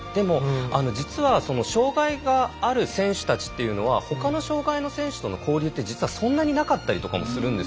実は障がいがある選手たちというのはほかの障がいの選手との交流は、そんなになかったりするんです。